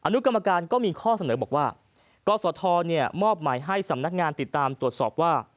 นุกรรมการก็มีข้อเสนอบอกว่ากศธมอบหมายให้สำนักงานติดตามตรวจสอบว่า